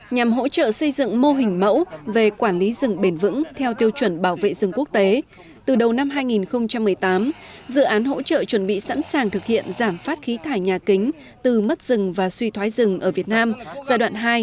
nhằm hỗ trợ xây dựng mô hình mẫu về quản lý rừng bền vững theo tiêu chuẩn bảo vệ rừng quốc tế từ đầu năm hai nghìn một mươi tám dự án hỗ trợ chuẩn bị sẵn sàng thực hiện giảm phát khí thải nhà kính từ mất rừng và suy thoái rừng ở việt nam giai đoạn hai